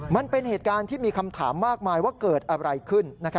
มันเป็นเหตุการณ์ที่มีคำถามมากมายว่าเกิดอะไรขึ้น